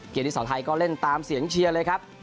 เกณฑีเสาไทยก็เล่นตามเชียรเชียวเลยครับ